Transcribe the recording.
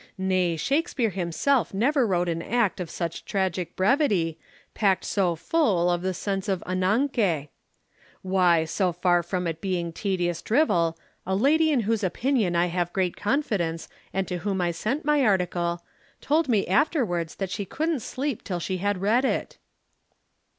Nay, Shakespeare himself never wrote an act of such tragic brevity, packed so full of the sense of anagke. Why, so far from it being tedious drivel, a lady in whose opinion I have great confidence and to whom I sent my article, told me afterwards that she couldn't sleep till she had read it." [Illustration: "_She told me she couldn't sleep till she had read it.